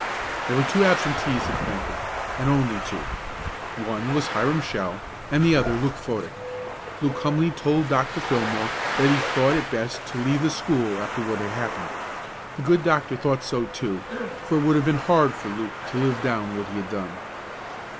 There were two absentees at the banquet and only two. One was Hiram Shell and the other Luke Fodick. Luke humbly told Dr. Fillmore that he thought it best to leave the school after what had happened. The good doctor thought so, too, for it would have been hard for Luke to live down what he had done.